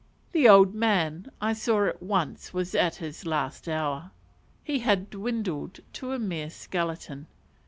The old man I saw at once was at his last hour. He had dwindled to a mere skeleton.